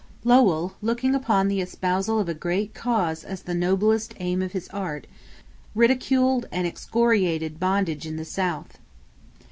Lowell, looking upon the espousal of a great cause as the noblest aim of his art, ridiculed and excoriated bondage in the South.